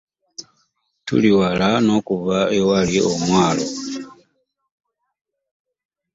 Tuliw ala n'okuva ewali omwalo.